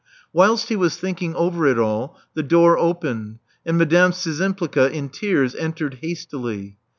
Whilst he was thinking over it all, the door opened; and Madame Szczympliga, in tears, entered hastily.